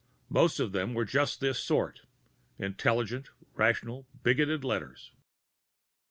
Most of them were just this sort: intelligent, rational, bigoted letters.